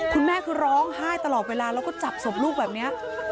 คุณแม่คือร้องไห้ตลอดเวลาแล้วก็จับศพลูกแบบนี้